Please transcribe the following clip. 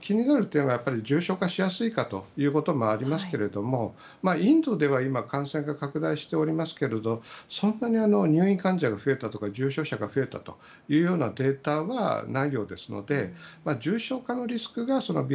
点は重症化しやすいかというところもありますがインドでは、今感染が拡大しておりますがそんなに入院患者が増えたとか重症者が増えたというようなデータはないようですので重症化のリスクがＢＡ